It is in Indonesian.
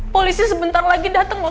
polisi sebentar lagi dateng ke sini